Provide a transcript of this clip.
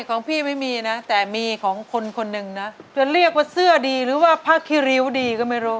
ของพี่ไม่มีนะแต่มีของคนคนหนึ่งนะจะเรียกว่าเสื้อดีหรือว่าผ้าคิริ้วดีก็ไม่รู้